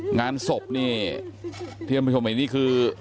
งานศพเนี่ยที่เราพิมพ์ใหม่นี่คือ